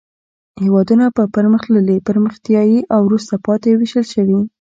هېوادونه په پرمختللي، پرمختیایي او وروسته پاتې ویشل شوي.